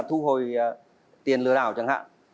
thu hồi tiền lừa đảo chẳng hạn